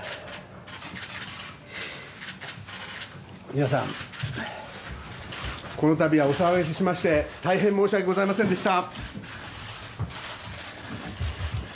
皆さん、この度はお騒がせしまして大変申し訳ございませんでした。